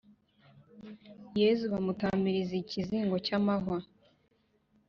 yezu bamutamiriza ikizingo cy’amahwa